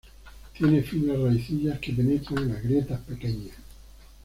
Tiene finas raicillas que penetran en las grietas pequeñas.